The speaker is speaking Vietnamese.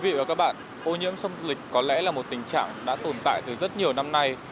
thưa quý vị và các bạn ô nhiễm sông tô lịch có lẽ là một tình trạng đã tồn tại từ rất nhiều năm nay